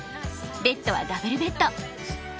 ベッドはダブルベッド。